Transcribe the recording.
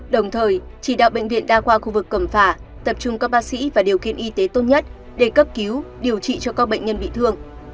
đồng thời chỉ đạo bệnh viện đa khoa khu vực cẩm phả tập trung các bác sĩ và điều kiện y tế tốt nhất để cấp cứu điều trị cho các bệnh nhân bị thương